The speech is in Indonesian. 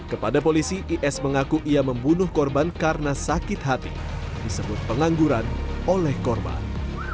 kepada polisi is mengaku ia membunuh korban karena sakit hati disebut pengangguran oleh korban